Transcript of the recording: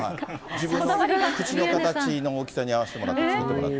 自分の口の大きさに合わせて作ってもらって。